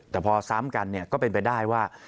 แต่พอซ้ำกันก็เป็นไปได้ว่า